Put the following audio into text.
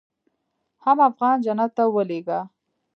حم افغان جنت ته ولېږه.